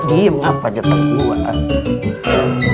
tadinya saya mau beli kelapa parut baisah